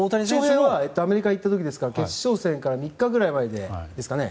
アメリカ行った時ですから決勝戦から３日ぐらい前ですかね。